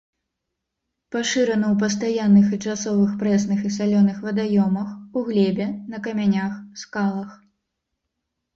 Пашырана ў пастаянных і часовых прэсных і салёных вадаёмах, у глебе, на камянях, скалах.